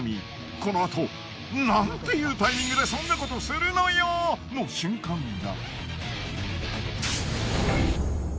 このあとなんていうタイミングでそんな事するのよ！？の瞬間が。